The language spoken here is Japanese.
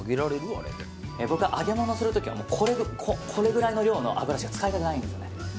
僕は揚げ物する時はこれぐらいの量の油しか使いたくないんですよね。